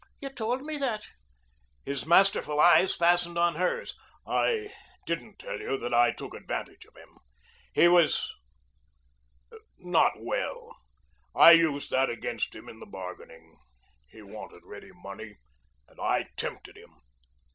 "You told me that." His masterful eyes fastened to hers. "I didn't tell you that I took advantage of him. He was not well. I used that against him in the bargaining. He wanted ready money, and I tempted him."